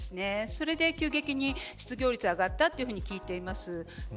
それで急激に失業率が上がったと聞いています。